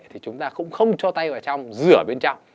thì chúng ta cũng không cho tay vào trong rửa bên trong